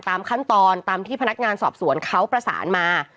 ตามขั้นตอนตามที่พนักงานสอบสวนเขาประสานมา